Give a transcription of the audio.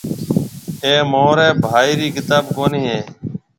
اَي مهاريَ ڀائي رِي ڪتاب ڪونَي هيَ۔